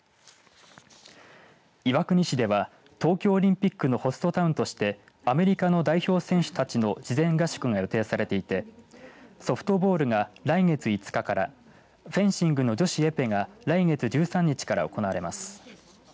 岩国市では東京オリンピックのホストタウンとしてアメリカの代表選手たちの事前合宿が予定されていてソフトボールが来月５日からフェンシングの女子エぺが来月１３日から行われます。